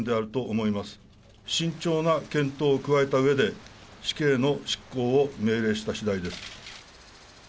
慎重な検討を加えたうえで死刑の執行を命令したしだいです。